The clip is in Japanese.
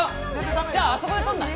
じゃああそこで撮んない？